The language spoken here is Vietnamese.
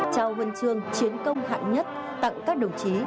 trao huân chương chiến công hạng nhất tặng các đồng chí